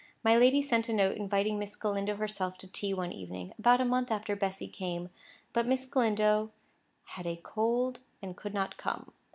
My lady sent a note inviting Miss Galindo herself to tea one evening, about a month after Bessy came; but Miss Galindo "had a cold and could not come."